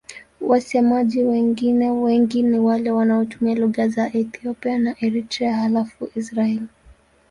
Wasemaji wengine wengi ni wale wanaotumia lugha za Ethiopia na Eritrea halafu Israel.